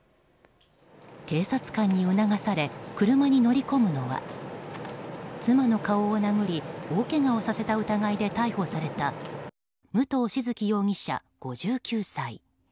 警察官に促され車に乗り込むのは妻の顔を殴り大けがをさせた疑いで逮捕された武藤静城容疑者、５９歳。